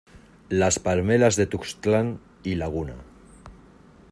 las palmeras de Tuxtlan y Laguna...